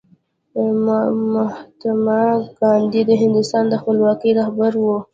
مهاتما ګاندي د هندوستان د خپلواکۍ رهبر و.